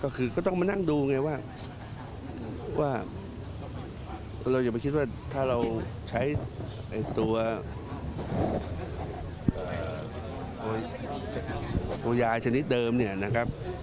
ก็คือก็ต้องมานั่งดูไงว่าเราอย่าไปคิดว่าถ้าเราใช้ตัวยายชนิดเดิมเนี่ยนะครับ